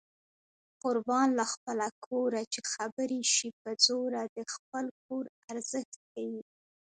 قربان له خپله کوره چې خبرې شي په زوره د خپل کور ارزښت ښيي